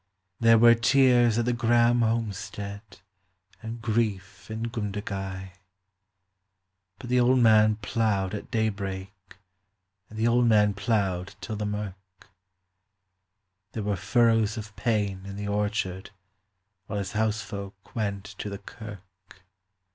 There were tears at the Grahame homestead and grief in Gundagai; But the old man ploughed at daybreak and the old man ploughed till the mirk There were furrows of pain in the orchard while his housefolk went to the kirk.